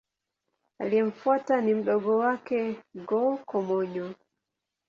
Aliyemfuata ni mdogo wake Go-Komyo.